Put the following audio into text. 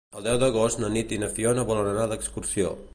El deu d'agost na Nit i na Fiona volen anar d'excursió.